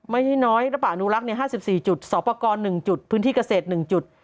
ไม่ใช่น้อยระป่าอนุรักษ์๕๔จุดสอบประกอบ๑จุดพื้นที่เกษตร๑จุด